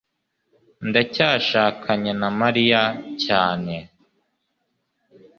ndacyashakanye na mariya cyane